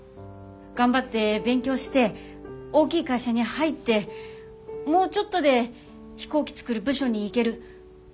頑張って勉強して大きい会社に入ってもうちょっとで飛行機作る部署に行ける。